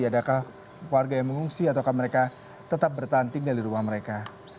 adakah warga yang mengungsi atau mereka tetap bertahan tinggal di rumah mereka